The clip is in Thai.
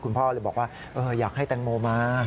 พ่อเลยบอกว่าอยากให้แตงโมมา